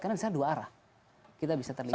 karena disana dua arah kita bisa terlibat